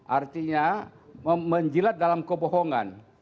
artinya menjilat dalam kebohongan